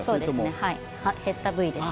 はい減った部位です